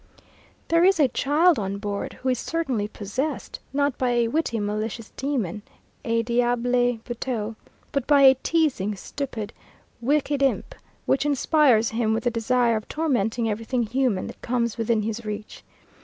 There is a child on board who is certainly possessed, not by a witty malicious demon, a diable boiteux, but by a teasing, stupid, wicked imp, which inspires him with the desire of tormenting everything human that comes within his reach.